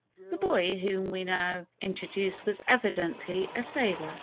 The boy whom we now introduce was evidently a sailor.